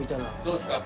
どうですか？